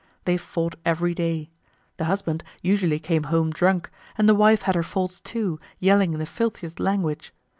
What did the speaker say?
They fought every day. The husband usually came home drunk and the wife had her faults too, yelling in the filthiest language.